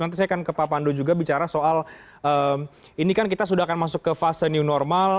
nanti saya akan ke pak pandu juga bicara soal ini kan kita sudah akan masuk ke fase new normal